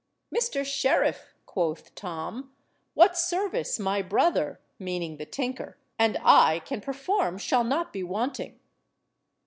"Mr. Sheriff," quoth Tom, "what service my brother" (meaning the tinker) "and I can perform shall not be wanting."